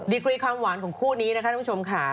กรีความหวานของคู่นี้นะคะท่านผู้ชมค่ะ